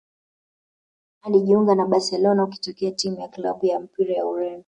Alijiunga na Barcelona akitokea timu ya klabu ya mpira ya Ureno